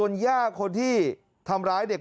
มันตายมาแล้วมันตายมาแล้ว